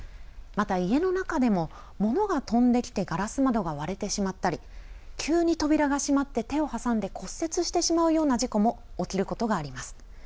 また家の中でも物が飛んできてガラス窓が割れてしまったり急に扉が閉まって手を挟んで骨折してしまうような事故も起きることがあります。